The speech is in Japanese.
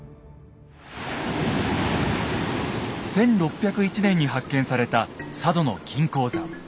１６０１年に発見された佐渡の金鉱山。